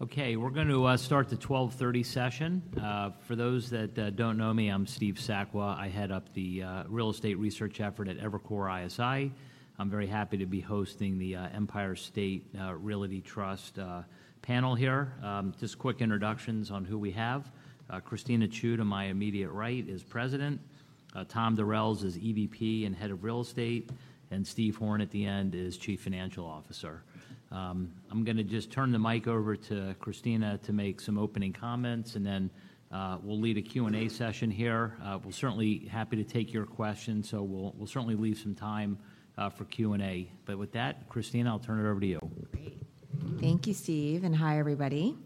Okay, we're going to start the 12:30 session. For those that don't know me, I'm Steve Sakwa. I head up the real estate research effort at Evercore ISI. I'm very happy to be hosting the Empire State Realty Trust panel here. Just quick introductions on who we have. Christina Chiu, to my immediate right, is President. Tom Durels is EVP and Head of Real Estate, and Steve Horn at the end is Chief Financial Officer. I'm gonna just turn the mic over to Christina to make some opening comments, and then we'll lead a Q&A session here. We're certainly happy to take your questions, so we'll certainly leave some time for Q&A. But with that, Christina, I'll turn it over to you. Great. Thank you, Steve, and hi, everybody.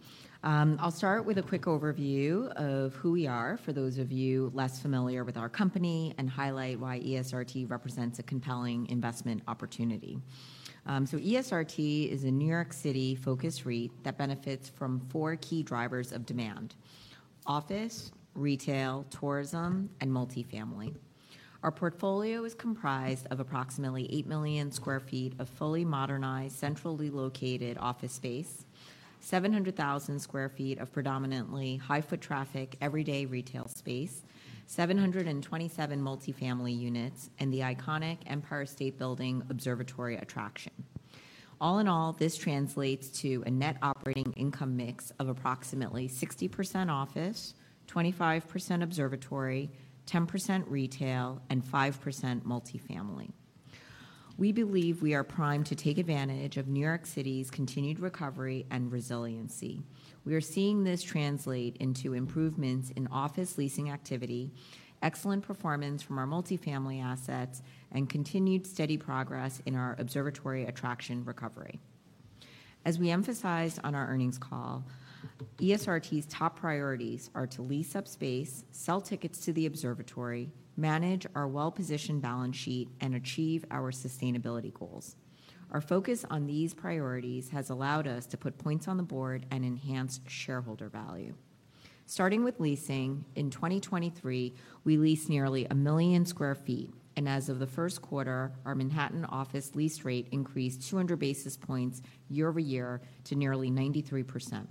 I'll start with a quick overview of who we are, for those of you less familiar with our company, and highlight why ESRT represents a compelling investment opportunity. So ESRT is a New York City-focused REIT that benefits from four key drivers of demand: office, retail, tourism, and multifamily. Our portfolio is comprised of approximately 8 million sq ft of fully modernized, centrally located office space, 700,000 sq ft of predominantly high foot traffic, everyday retail space, 727 multifamily units, and the iconic Empire State Building Observatory attraction. All in all, this translates to a net operating income mix of approximately 60% office, 25% observatory, 10% retail, and 5% multifamily. We believe we are primed to take advantage of New York City's continued recovery and resiliency. We are seeing this translate into improvements in office leasing activity, excellent performance from our multifamily assets, and continued steady progress in our observatory attraction recovery. As we emphasized on our earnings call, ESRT's top priorities are to lease up space, sell tickets to the observatory, manage our well-positioned balance sheet, and achieve our sustainability goals. Our focus on these priorities has allowed us to put points on the board and enhance shareholder value. Starting with leasing, in 2023, we leased nearly 1 million sq ft, and as of the first quarter, our Manhattan office lease rate increased 200 basis points year-over-year to nearly 93%.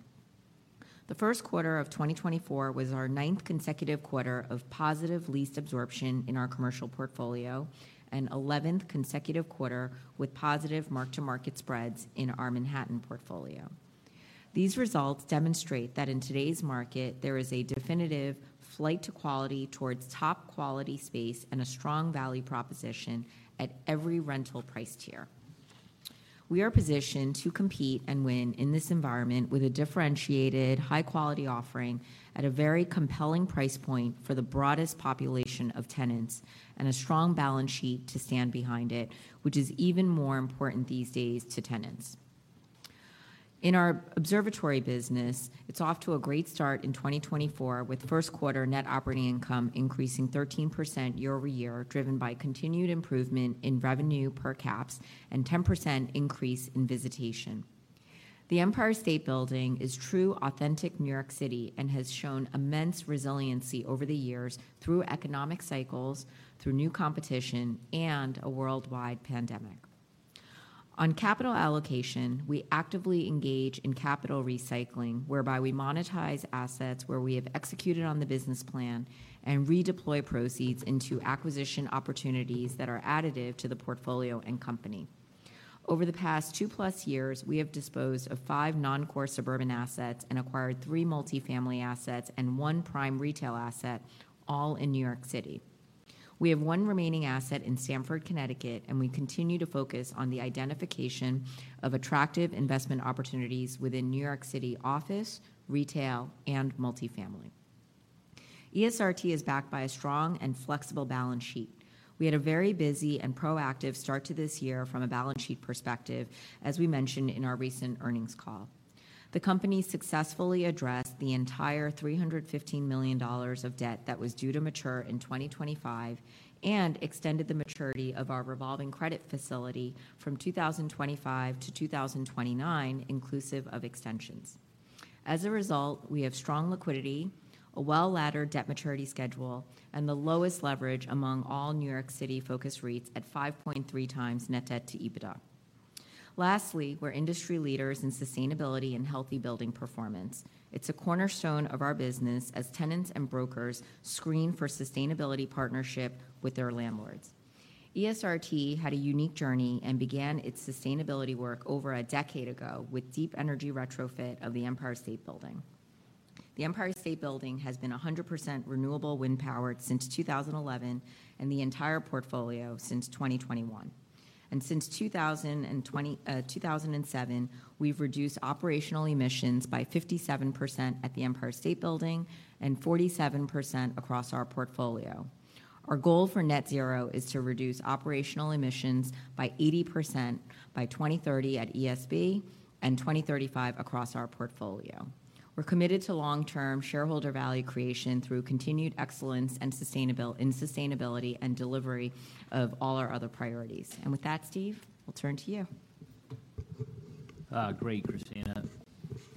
The first quarter of 2024 was our 9th consecutive quarter of positive lease absorption in our commercial portfolio and 11th consecutive quarter with positive mark-to-market spreads in our Manhattan portfolio. These results demonstrate that in today's market, there is a definitive flight to quality towards top-quality space and a strong value proposition at every rental price tier. We are positioned to compete and win in this environment with a differentiated, high-quality offering at a very compelling price point for the broadest population of tenants, and a strong balance sheet to stand behind it, which is even more important these days to tenants. In our observatory business, it's off to a great start in 2024, with first quarter net operating income increasing 13% year-over-year, driven by continued improvement in revenue per caps and 10% increase in visitation. The Empire State Building is true, authentic New York City and has shown immense resiliency over the years through economic cycles, through new competition, and a worldwide pandemic. On capital allocation, we actively engage in capital recycling, whereby we monetize assets where we have executed on the business plan and redeploy proceeds into acquisition opportunities that are additive to the portfolio and company. Over the past two-plus years, we have disposed of five non-core suburban assets and acquired three multifamily assets and one prime retail asset, all in New York City. We have one remaining asset in Stamford, Connecticut, and we continue to focus on the identification of attractive investment opportunities within New York City office, retail, and multifamily. ESRT is backed by a strong and flexible balance sheet. We had a very busy and proactive start to this year from a balance sheet perspective, as we mentioned in our recent earnings call. The company successfully addressed the entire $315 million of debt that was due to mature in 2025 and extended the maturity of our revolving credit facility from 2025 to 2029, inclusive of extensions. As a result, we have strong liquidity, a well-laddered debt maturity schedule, and the lowest leverage among all New York City-focused REITs at 5.3 times net debt to EBITDA. Lastly, we're industry leaders in sustainability and healthy building performance. It's a cornerstone of our business as tenants and brokers screen for sustainability partnership with their landlords. ESRT had a unique journey and began its sustainability work over a decade ago with deep energy retrofit of the Empire State Building. The Empire State Building has been 100% renewable wind powered since 2011, and the entire portfolio since 2021. And since 2007, we've reduced operational emissions by 57% at the Empire State Building and 47% across our portfolio. Our goal for net zero is to reduce operational emissions by 80% by 2030 at ESB and 2035 across our portfolio. We're committed to long-term shareholder value creation through continued excellence in sustainability and delivery of all our other priorities. And with that, Steve, we'll turn to you. Great, Christina.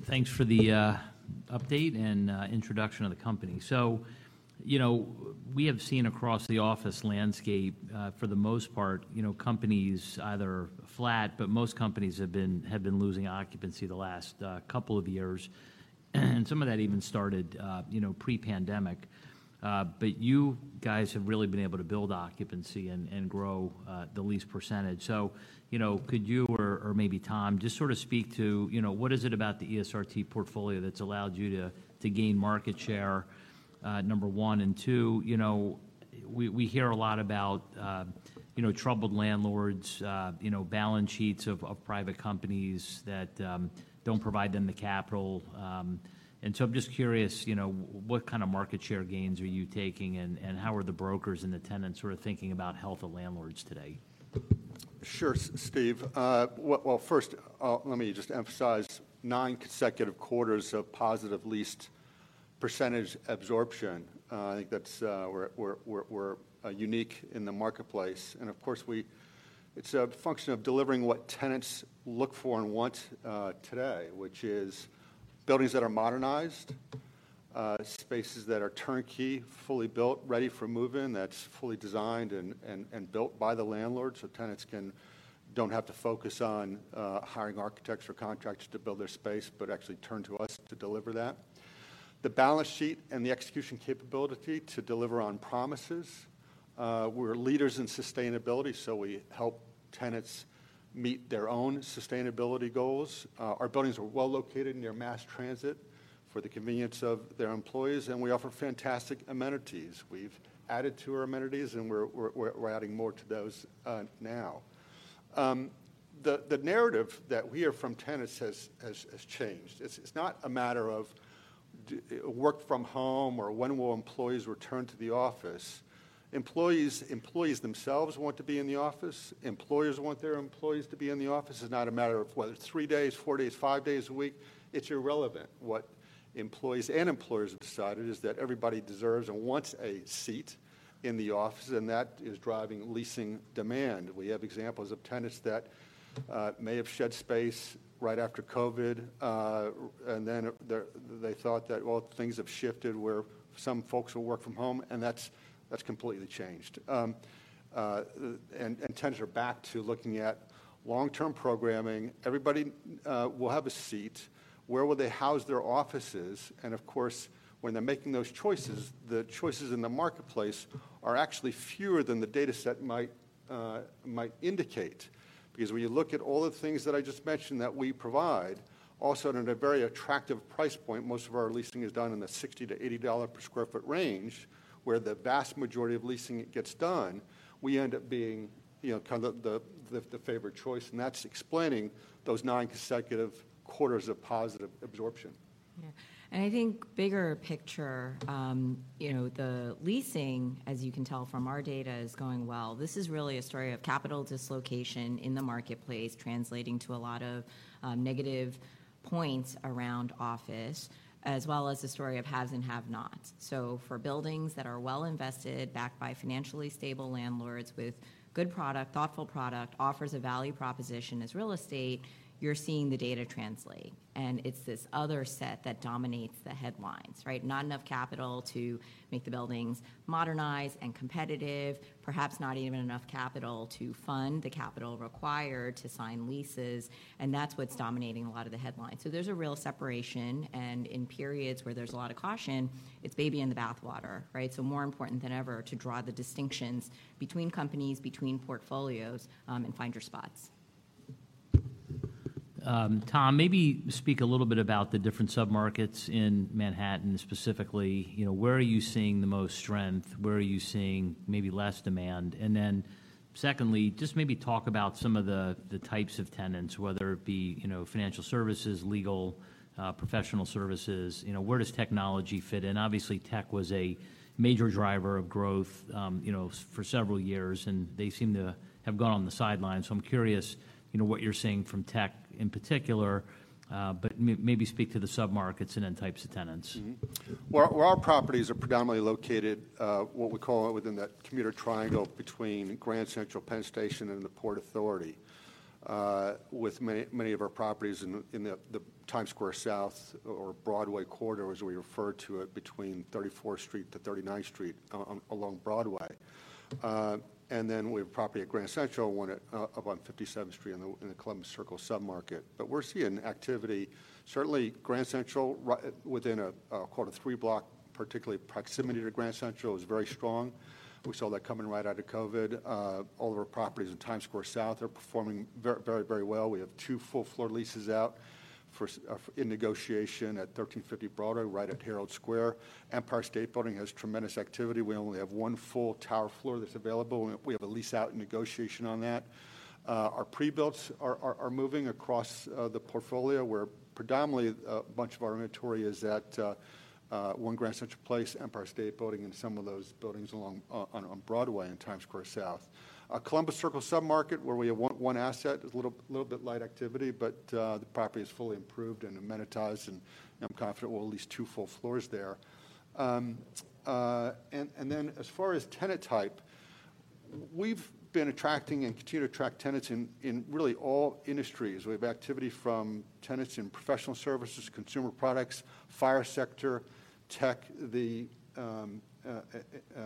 Thanks for the update and introduction of the company. So, you know, we have seen across the office landscape, for the most part, you know, companies either are flat, but most companies have been losing occupancy the last couple of years. And some of that even started, you know, pre-pandemic. But you guys have really been able to build occupancy and grow the lease percentage. So, you know, could you or maybe Tom just sort of speak to, you know, what is it about the ESRT portfolio that's allowed you to gain market share, number one? And two, you know, we hear a lot about, you know, troubled landlords, you know, balance sheets of private companies that don't provide them the capital. I'm just curious, you know, what kind of market share gains are you taking, and how are the brokers and the tenants who are thinking about health of landlords today? Sure, Steve. Well, first, let me just emphasize nine consecutive quarters of positive leased percentage absorption. I think that's, we're unique in the marketplace. And of course, it's a function of delivering what tenants look for and want today, which is buildings that are modernized, spaces that are turnkey, fully built, ready for move-in, that's fully designed and built by the landlord, so tenants don't have to focus on hiring architects or contractors to build their space, but actually turn to us to deliver that. The balance sheet and the execution capability to deliver on promises. We're leaders in sustainability, so we help tenants meet their own sustainability goals. Our buildings are well located near mass transit for the convenience of their employees, and we offer fantastic amenities. We've added to our amenities, and we're adding more to those now. The narrative that we hear from tenants has changed. It's not a matter of work from home, or when will employees return to the office. Employees themselves want to be in the office. Employers want their employees to be in the office. It's not a matter of whether it's three days, four days, five days a week. It's irrelevant. What employees and employers have decided is that everybody deserves and wants a seat in the office, and that is driving leasing demand. We have examples of tenants that may have shed space right after COVID, and then they thought that, well, things have shifted, where some folks will work from home, and that's completely changed. Tenants are back to looking at long-term programming. Everybody will have a seat. Where will they house their offices? Of course, when they're making those choices, the choices in the marketplace are actually fewer than the data set might indicate. Because when you look at all the things that I just mentioned that we provide, also at a very attractive price point, most of our leasing is done in the $60-$80 per sq ft range, where the vast majority of leasing gets done, we end up being, you know, kind of the favored choice, and that's explaining those nine consecutive quarters of positive absorption. Yeah. I think bigger picture, you know, the leasing, as you can tell from our data, is going well. This is really a story of capital dislocation in the marketplace, translating to a lot of negative points around office, as well as a story of haves and have-nots. So for buildings that are well invested, backed by financially stable landlords with good product, thoughtful product, offers a value proposition as real estate, you're seeing the data translate, and it's this other set that dominates the headlines, right? Not enough capital to make the buildings modernized and competitive. Perhaps not even enough capital to fund the capital required to sign leases, and that's what's dominating a lot of the headlines. So there's a real separation, and in periods where there's a lot of caution, it's baby and the bathwater, right? More important than ever to draw the distinctions between companies, between portfolios, and find your spots. Tom, maybe speak a little bit about the different submarkets in Manhattan, specifically. You know, where are you seeing the most strength? Where are you seeing maybe less demand? And then secondly, just maybe talk about some of the, the types of tenants, whether it be, you know, financial services, legal, professional services. You know, where does technology fit in? Obviously, tech was a major driver of growth, you know, for several years, and they seem to have gone on the sidelines. So I'm curious, you know, what you're seeing from tech in particular, but maybe speak to the submarkets and then types of tenants. Mm-hmm. Well, our properties are predominantly located, what we call, within that commuter triangle between Grand Central, Penn Station, and the Port Authority. With many of our properties in the Times Square South or Broadway Corridor, as we refer to it, between 34th Street to 39th Street along Broadway. And then we have property at Grand Central, one up on 57th Street in the Columbus Circle submarket. But we're seeing activity, certainly Grand Central, right within a quarter three block, particularly proximity to Grand Central, is very strong. We saw that coming right out of COVID. All of our properties in Times Square South are performing very, very well. We have two full floor leases out in negotiation at 1350 Broadway, right at Herald Square. Empire State Building has tremendous activity. We only have one full tower floor that's available, and we have a lease out in negotiation on that. Our pre-builts are moving across the portfolio, where predominantly a bunch of our inventory is at One Grand Central Place, Empire State Building, and some of those buildings along on Broadway and Times Square South. Columbus Circle submarket, where we have one asset, is a little bit light activity, but the property is fully improved and amenitized, and I'm confident we'll lease two full floors there. And then as far as tenant type. We've been attracting and continue to attract tenants in really all industries. We have activity from tenants in professional services, consumer products, financial sector, tech. The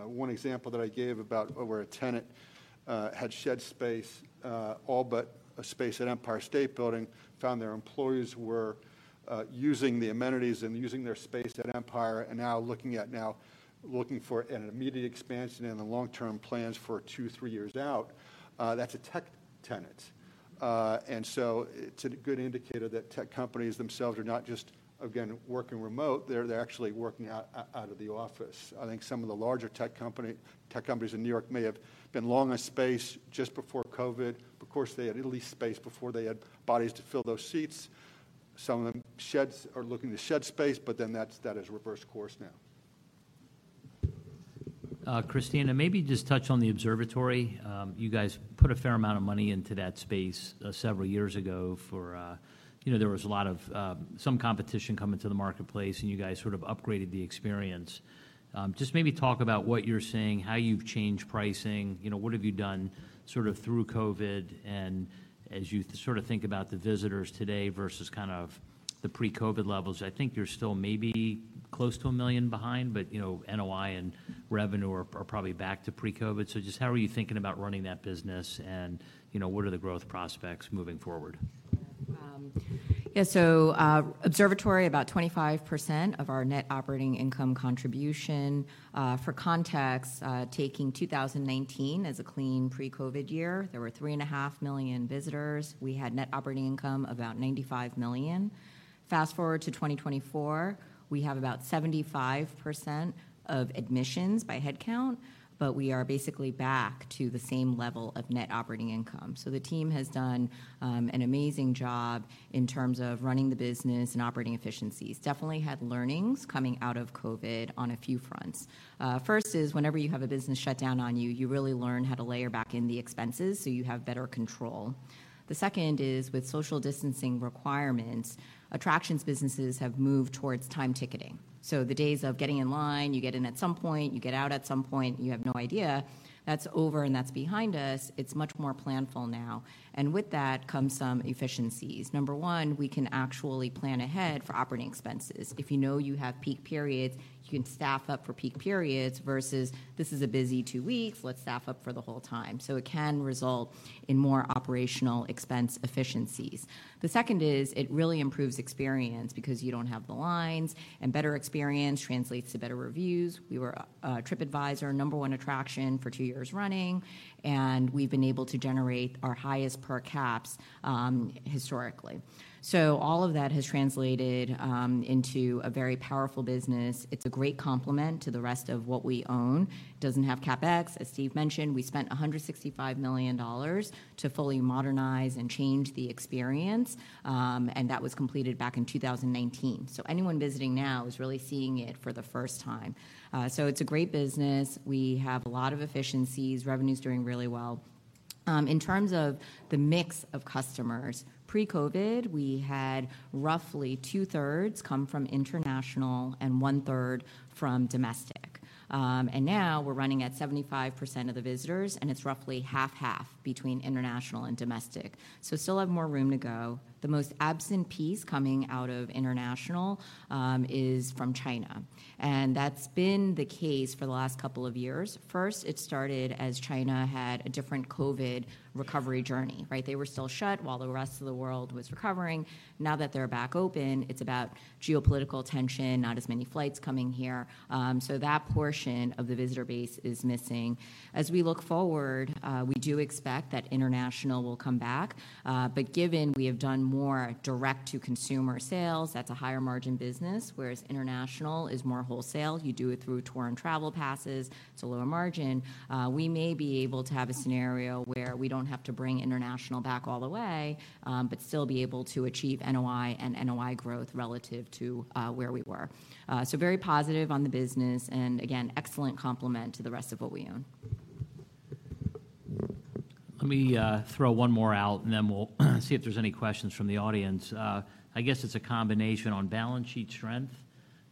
one example that I gave about where a tenant had shed space all but a space at Empire State Building, found their employees were using the amenities and using their space at Empire, and now looking for an immediate expansion and the long-term plans for 2, 3 years out. That's a tech tenant. And so it's a good indicator that tech companies themselves are not just, again, working remote, they're actually working out of the office. I think some of the larger tech companies in New York may have been long on space just before COVID. Of course, they had at least space before they had bodies to fill those seats. Some of them are looking to shed space, but then that has reversed course now. Christina, maybe just touch on the observatory. You guys put a fair amount of money into that space several years ago for. You know, there was a lot of some competition coming to the marketplace, and you guys sort of upgraded the experience. Just maybe talk about what you're seeing, how you've changed pricing. You know, what have you done sort of through COVID? And as you sort of think about the visitors today versus kind of the pre-COVID levels, I think you're still maybe close to 1 million behind, but, you know, NOI and revenue are probably back to pre-COVID. So just how are you thinking about running that business and, you know, what are the growth prospects moving forward? Yeah, so, observatory, about 25% of our net operating income contribution. For context, taking 2019 as a clean pre-COVID year, there were 3.5 million visitors. We had net operating income about $95 million. Fast-forward to 2024, we have about 75% of admissions by head count, but we are basically back to the same level of net operating income. So the team has done an amazing job in terms of running the business and operating efficiencies. Definitely had learnings coming out of COVID on a few fronts. First is, whenever you have a business shut down on you, you really learn how to layer back in the expenses so you have better control. The second is, with social distancing requirements, attractions businesses have moved towards timed ticketing. So the days of getting in line, you get in at some point, you get out at some point, you have no idea, that's over and that's behind us. It's much more planful now, and with that comes some efficiencies. Number one, we can actually plan ahead for operating expenses. If you know you have peak periods, you can staff up for peak periods versus, "This is a busy two weeks, let's staff up for the whole time." So it can result in more operational expense efficiencies. The second is, it really improves experience because you don't have the lines, and better experience translates to better reviews. We were TripAdvisor #1 attraction for two years running, and we've been able to generate our highest per caps historically. So all of that has translated into a very powerful business. It's a great complement to the rest of what we own. Doesn't have CapEx. As Steve mentioned, we spent $165 million to fully modernize and change the experience, and that was completed back in 2019. So anyone visiting now is really seeing it for the first time. So it's a great business. We have a lot of efficiencies. Revenue's doing really well. In terms of the mix of customers, pre-COVID, we had roughly 2/3 come from international and 1/3 from domestic. And now we're running at 75% of the visitors, and it's roughly 50/50 between international and domestic, so still have more room to go. The most absent piece coming out of international is from China, and that's been the case for the last couple of years. First, it started as China had a different COVID recovery journey, right? They were still shut while the rest of the world was recovering. Now that they're back open, it's about geopolitical tension, not as many flights coming here. So that portion of the visitor base is missing. As we look forward, we do expect that international will come back. But given we have done more direct-to-consumer sales, that's a higher margin business, whereas international is more wholesale. You do it through tour and travel passes, it's a lower margin. We may be able to have a scenario where we don't have to bring international back all the way, but still be able to achieve NOI and NOI growth relative to where we were. So very positive on the business, and again, excellent complement to the rest of what we own. Let me throw one more out, and then we'll see if there's any questions from the audience. I guess it's a combination on balance sheet strength,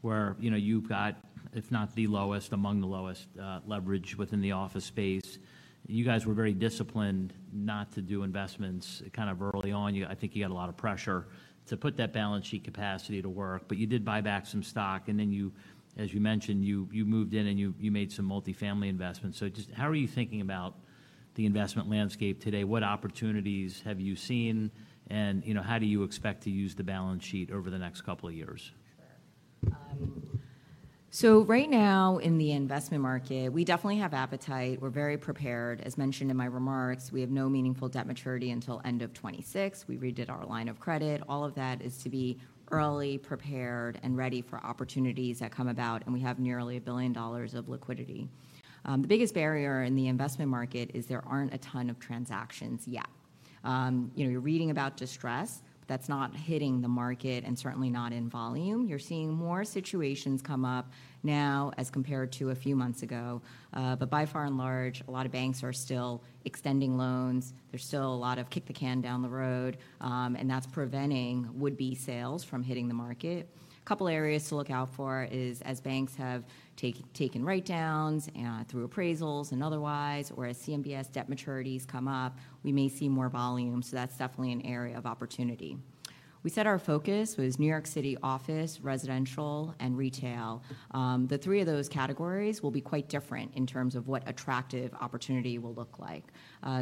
where, you know, you've got, if not the lowest, among the lowest, leverage within the office space. You guys were very disciplined not to do investments kind of early on. I think you got a lot of pressure to put that balance sheet capacity to work, but you did buy back some stock, and then you, as you mentioned, you moved in, and you made some multifamily investments. So just how are you thinking about the investment landscape today? What opportunities have you seen, and, you know, how do you expect to use the balance sheet over the next couple of years? So right now in the investment market, we definitely have appetite. We're very prepared. As mentioned in my remarks, we have no meaningful debt maturity until end of 2026. We redid our line of credit. All of that is to be early, prepared, and ready for opportunities that come about, and we have nearly $1 billion of liquidity. The biggest barrier in the investment market is there aren't a ton of transactions yet. You know, you're reading about distress. That's not hitting the market and certainly not in volume. You're seeing more situations come up now as compared to a few months ago, but by far and large, a lot of banks are still extending loans. There's still a lot of kick the can down the road, and that's preventing would-be sales from hitting the market. Couple areas to look out for is, as banks have taken write-downs through appraisals and otherwise, or as CMBS debt maturities come up, we may see more volume, so that's definitely an area of opportunity. We said our focus was New York City office, residential, and retail. The three of those categories will be quite different in terms of what attractive opportunity will look like.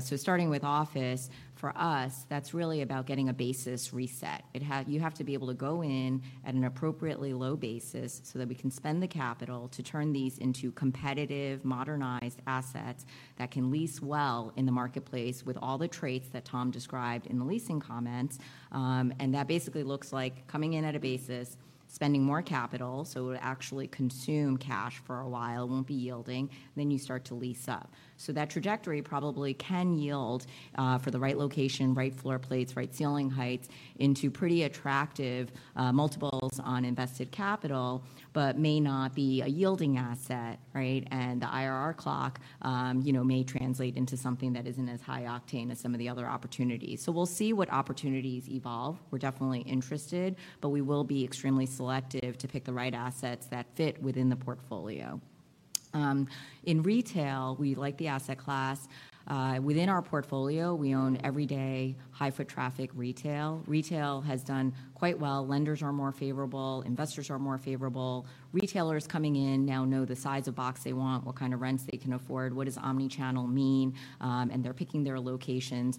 So starting with office, for us, that's really about getting a basis reset. You have to be able to go in at an appropriately low basis so that we can spend the capital to turn these into competitive, modernized assets that can lease well in the marketplace with all the traits that Tom described in the leasing comments. And that basically looks like coming in at a basis, spending more capital, so it would actually consume cash for a while, won't be yielding, and then you start to lease up. So that trajectory probably can yield, for the right location, right floor plates, right ceiling heights, into pretty attractive, multiples on invested capital, but may not be a yielding asset, right? And the IRR clock, you know, may translate into something that isn't as high octane as some of the other opportunities. So we'll see what opportunities evolve. We're definitely interested, but we will be extremely selective to pick the right assets that fit within the portfolio. In retail, we like the asset class. Within our portfolio, we own every day, high-foot-traffic retail. Retail has done quite well. Lenders are more favorable, investors are more favorable. Retailers coming in now know the size of box they want, what kind of rents they can afford, what does omnichannel mean, and they're picking their locations.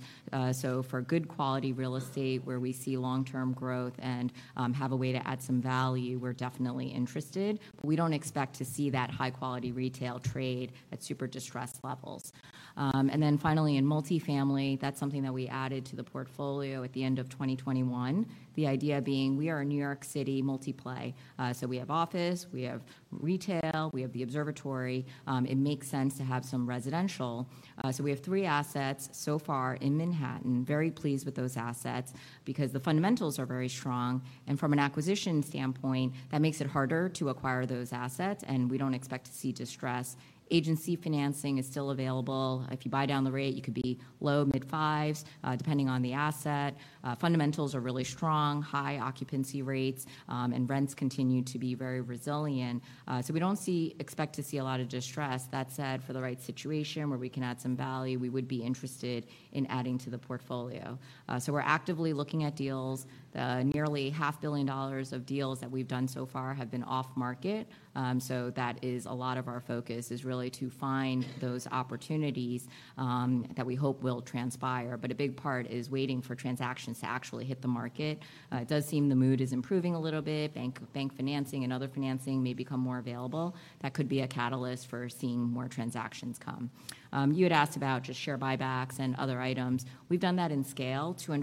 So for good quality real estate, where we see long-term growth and have a way to add some value, we're definitely interested. But we don't expect to see that high-quality retail trade at super distressed levels. And then finally, in multifamily, that's something that we added to the portfolio at the end of 2021. The idea being, we are a New York City multi-play. So we have office, we have retail, we have the observatory, it makes sense to have some residential. So we have 3 assets so far in Manhattan. Very pleased with those assets because the fundamentals are very strong, and from an acquisition standpoint, that makes it harder to acquire those assets, and we don't expect to see distress. Agency financing is still available. If you buy down the rate, you could be low mid-fives, depending on the asset. Fundamentals are really strong, high occupancy rates, and rents continue to be very resilient. So we don't expect to see a lot of distress. That said, for the right situation where we can add some value, we would be interested in adding to the portfolio. So we're actively looking at deals. The nearly $500 million of deals that we've done so far have been off market, so that is a lot of our focus, is really to find those opportunities, that we hope will transpire. But a big part is waiting for transactions to actually hit the market. It does seem the mood is improving a little bit. Bank financing and other financing may become more available. That could be a catalyst for seeing more transactions come. You had asked about just share buybacks and other items. We've done that in scale, over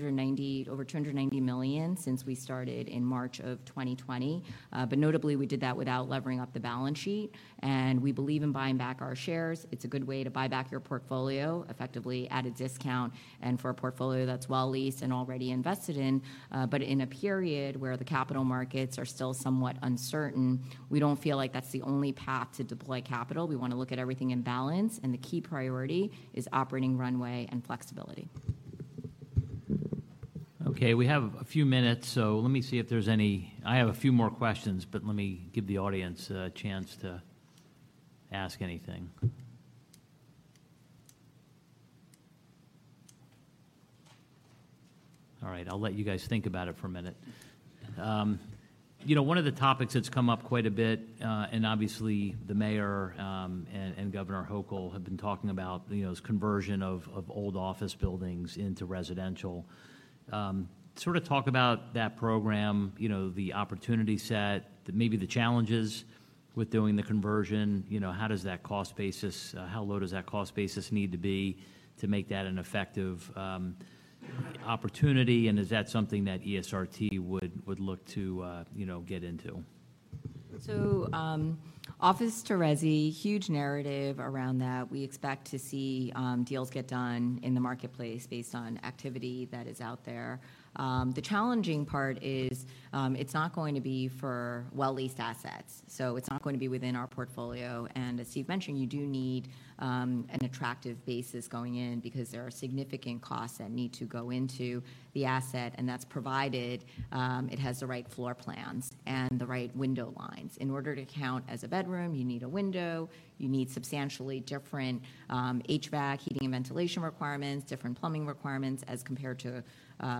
$290 million since we started in March 2020. But notably, we did that without levering up the balance sheet, and we believe in buying back our shares. It's a good way to buy back your portfolio, effectively at a discount, and for a portfolio that's well leased and already invested in. But in a period where the capital markets are still somewhat uncertain, we don't feel like that's the only path to deploy capital. We want to look at everything in balance, and the key priority is operating runway and flexibility. Okay, we have a few minutes, so let me see if there's any. I have a few more questions, but let me give the audience a chance to ask anything. All right, I'll let you guys think about it for a minute. You know, one of the topics that's come up quite a bit, and obviously, the mayor, and, and Governor Hochul have been talking about, you know, is conversion of, of old office buildings into residential. Sort of talk about that program, you know, the opportunity set, the maybe the challenges with doing the conversion. You know, how does that cost basis, how low does that cost basis need to be to make that an effective, opportunity? And is that something that ESRT would, would look to, you know, get into? So, office to resi, huge narrative around that. We expect to see deals get done in the marketplace based on activity that is out there. The challenging part is, it's not going to be for well-leased assets, so it's not going to be within our portfolio. And as Steve mentioned, you do need an attractive basis going in because there are significant costs that need to go into the asset, and that's provided it has the right floor plans and the right window lines. In order to count as a bedroom, you need a window, you need substantially different HVAC, heating and ventilation requirements, different plumbing requirements as compared to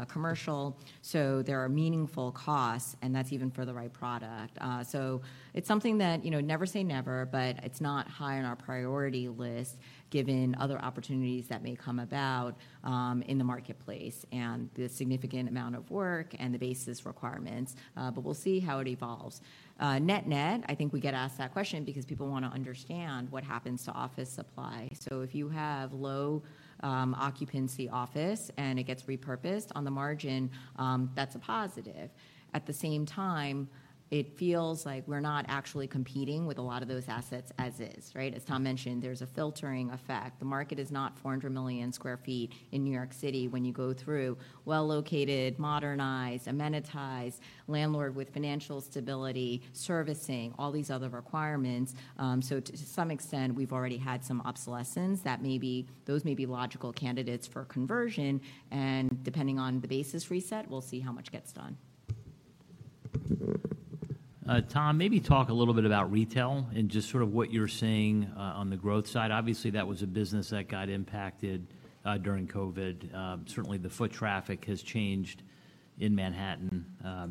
commercial. So there are meaningful costs, and that's even for the right product. So it's something that, you know, never say never, but it's not high on our priority list, given other opportunities that may come about, in the marketplace and the significant amount of work and the basis requirements, but we'll see how it evolves. Net-net, I think we get asked that question because people want to understand what happens to office supply. So if you have low occupancy office, and it gets repurposed on the margin, that's a positive. At the same time, it feels like we're not actually competing with a lot of those assets as is, right? As Tom mentioned, there's a filtering effect. The market is not 400 million sq ft in New York City when you go through well-located, modernized, amenitized, landlord with financial stability, servicing, all these other requirements. So, to some extent, we've already had some obsolescence. Those may be logical candidates for conversion, and depending on the basis reset, we'll see how much gets done. Tom, maybe talk a little bit about retail and just sort of what you're seeing on the growth side. Obviously, that was a business that got impacted during COVID. Certainly the foot traffic has changed in Manhattan,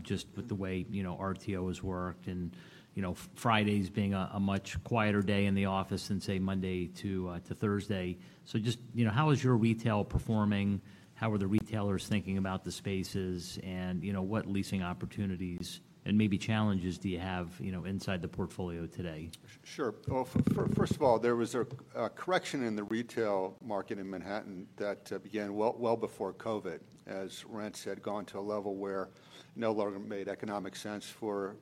just with the way, you know, RTO has worked and, you know, Fridays being a much quieter day in the office than, say, Monday to Thursday. So just, you know, how is your retail performing? How are the retailers thinking about the spaces? And, you know, what leasing opportunities and maybe challenges do you have, you know, inside the portfolio today? Sure. Well, first of all, there was a correction in the retail market in Manhattan that began well before COVID, as rents had gone to a level where no longer made economic sense for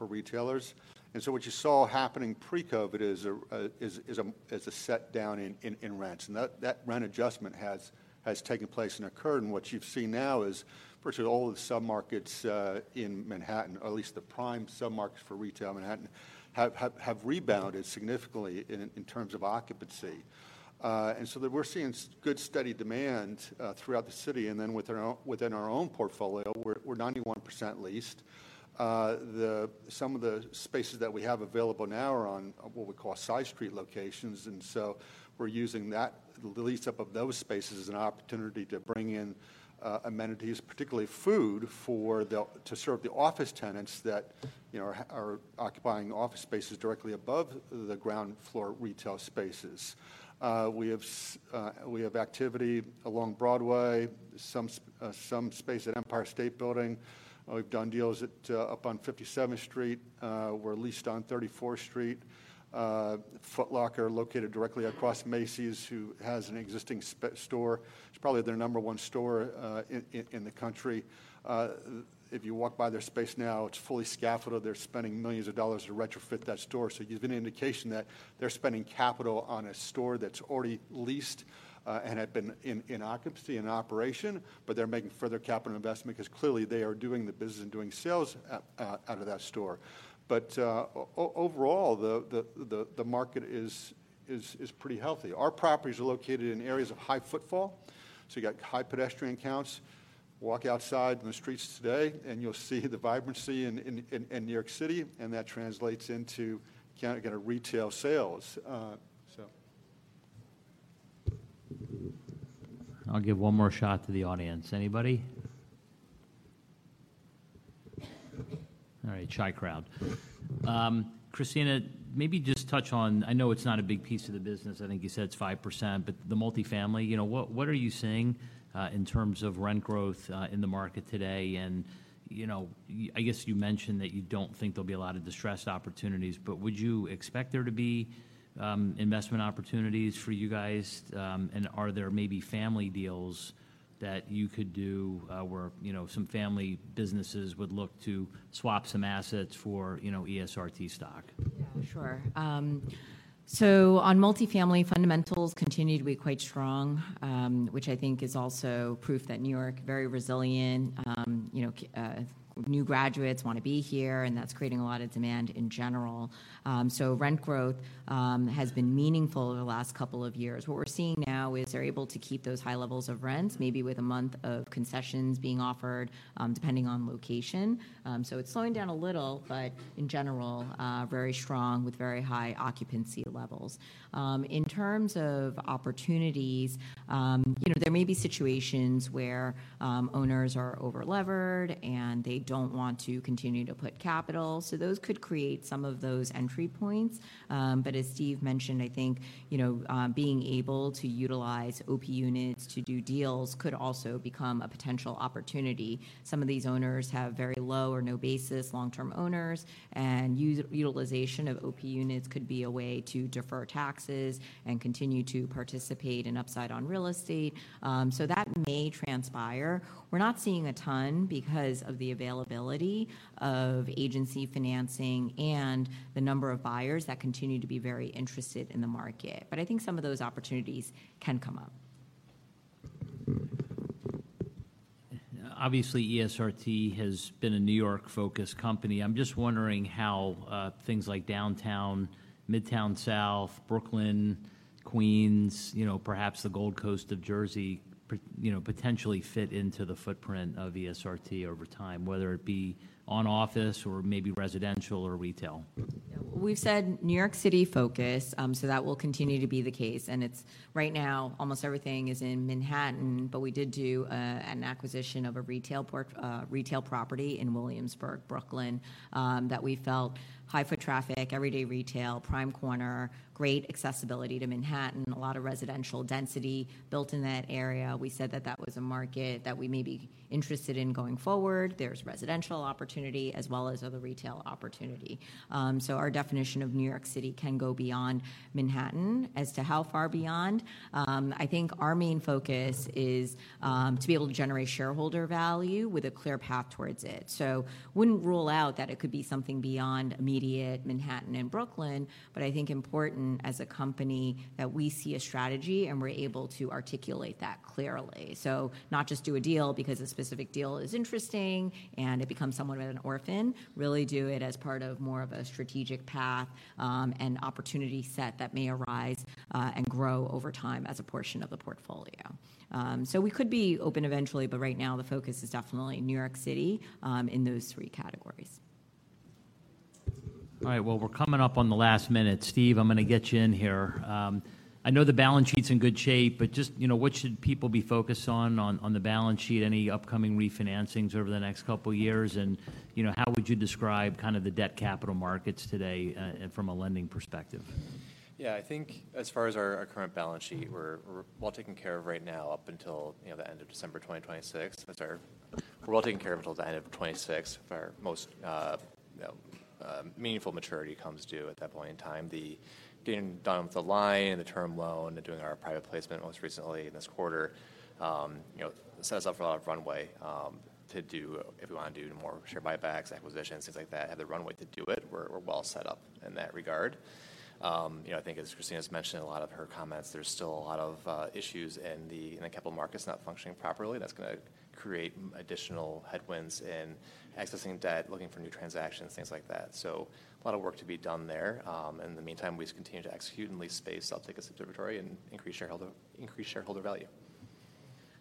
retailers. And so what you saw happening pre-COVID is a set down in rents. And that rent adjustment has taken place and occurred, and what you've seen now is, firstly, all of the submarkets in Manhattan, or at least the prime submarkets for retail in Manhattan, have rebounded significantly in terms of occupancy. And so that we're seeing good, steady demand throughout the city, and then within our own portfolio, we're 91% leased. Some of the spaces that we have available now are on what we call side street locations, and so we're using that, the lease-up of those spaces, as an opportunity to bring in amenities, particularly food, for to serve the office tenants that you know are occupying office spaces directly above the ground floor retail spaces. We have activity along Broadway, some space at Empire State Building. We've done deals up on 57th Street. We're leased on 34th Street. Foot Locker located directly across Macy's, who has an existing store. It's probably their number one store in the country. If you walk by their space now, it's fully scaffolded. They're spending millions of dollars to retrofit that store, so gives an indication that they're spending capital on a store that's already leased, and had been in occupancy and operation. But they're making further capital investment, because clearly they are doing the business and doing sales out of that store. But overall, the market is pretty healthy. Our properties are located in areas of high footfall, so you got high pedestrian counts. Walk outside in the streets today, and you'll see the vibrancy in New York City, and that translates into counts, you know, retail sales. So. I'll give one more shot to the audience. Anybody? All right, shy crowd. Christina, maybe just touch on, I know it's not a big piece of the business, I think you said it's 5%, but the multifamily, you know, what, what are you seeing in terms of rent growth in the market today? And, you know, I guess you mentioned that you don't think there'll be a lot of distressed opportunities, but would you expect there to be investment opportunities for you guys? And are there maybe family deals that you could do, where, you know, some family businesses would look to swap some assets for, you know, ESRT stock? Yeah, sure. So on multifamily, fundamentals continue to be quite strong, which I think is also proof that New York, very resilient. You know, new graduates want to be here, and that's creating a lot of demand in general. So rent growth has been meaningful over the last couple of years. What we're seeing now is they're able to keep those high levels of rents, maybe with a month of concessions being offered, depending on location. So it's slowing down a little, but in general, very strong with very high occupancy levels. In terms of opportunities, you know, there may be situations where owners are overlevered, and they don't want to continue to put capital, so those could create some of those entry points. But as Steve mentioned, I think, you know, being able to utilize OP units to do deals could also become a potential opportunity. Some of these owners have very low or no basis, long-term owners, and utilization of OP units could be a way to defer taxes and continue to participate in upside on real estate, so that may transpire. We're not seeing a ton because of the availability of agency financing and the number of buyers that continue to be very interested in the market, but I think some of those opportunities can come up. Obviously, ESRT has been a New York-focused company. I'm just wondering how things like downtown, Midtown South, Brooklyn, Queens, you know, perhaps the Gold Coast of Jersey, you know, potentially fit into the footprint of ESRT over time, whether it be on office or maybe residential or retail. We've said New York City focused, so that will continue to be the case. And it's right now, almost everything is in Manhattan, but we did do an acquisition of a retail property in Williamsburg, Brooklyn, that we felt high foot traffic, everyday retail, prime corner, great accessibility to Manhattan, a lot of residential density built in that area. We said that that was a market that we may be interested in going forward. There's residential opportunity as well as other retail opportunity. So our definition of New York City can go beyond Manhattan. As to how far beyond, I think our main focus is to be able to generate shareholder value with a clear path towards it. So wouldn't rule out that it could be something beyond immediate Manhattan and Brooklyn, but I think important as a company, that we see a strategy, and we're able to articulate that clearly. So not just do a deal because a specific deal is interesting, and it becomes somewhat of an orphan. Really do it as part of more of a strategic path, and opportunity set that may arise, and grow over time as a portion of the portfolio. So we could be open eventually, but right now, the focus is definitely New York City, in those three categories. All right, well, we're coming up on the last minute. Steve, I'm gonna get you in here. I know the balance sheet's in good shape, but just, you know, what should people be focused on, on, on the balance sheet? Any upcoming refinancings over the next couple years? And, you know, how would you describe kind of the debt capital markets today, and from a lending perspective? Yeah, I think as far as our current balance sheet, we're well taken care of right now up until, you know, the end of December 2026. That's our. We're well taken care of until the end of 2026, for our most, you know, meaningful maturity comes due at that point in time. The getting done with the line and the term loan and doing our private placement most recently this quarter, you know, sets us up for a lot of runway, to do if we want to do more share buybacks, acquisitions, things like that, have the runway to do it. We're well set up in that regard. You know, I think as Christina's mentioned in a lot of her comments, there's still a lot of issues in the capital markets not functioning properly. That's gonna create additional headwinds in accessing debt, looking for new transactions, things like that, so a lot of work to be done there. In the meantime, we just continue to execute and lease space, uptake our observatory, and increase shareholder, increase shareholder value.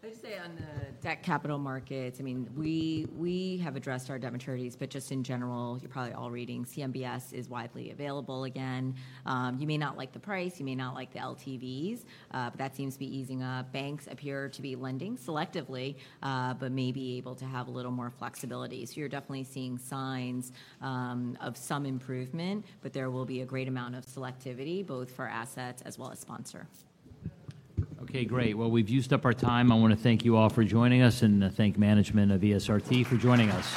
I'd say on the debt capital markets, I mean, we, we have addressed our debt maturities, but just in general, you're probably all reading, CMBS is widely available again. You may not like the price, you may not like the LTVs, but that seems to be easing up. Banks appear to be lending selectively, but may be able to have a little more flexibility. So you're definitely seeing signs, of some improvement, but there will be a great amount of selectivity, both for assets as well as sponsor. Okay, great. Well, we've used up our time. I wanna thank you all for joining us, and thank management of ESRT for joining us.